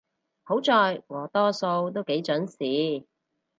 好在我多數都幾準時